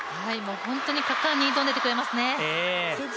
本当に果敢に挑んでいってくれていますね。